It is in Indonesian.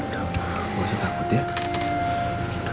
gak usah takut ya